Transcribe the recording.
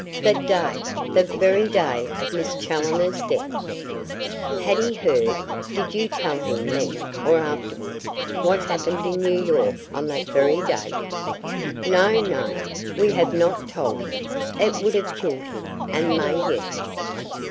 The day the very day of Miss Challoner's death! "Had he heard did you tell him then or afterwards what happened in New York on that very date?" "No, no, we have not told him. It would have killed him and may yet."